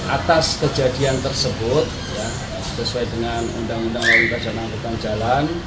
atas kejadian tersebut sesuai dengan undang undang lalu kajian angkatan jalan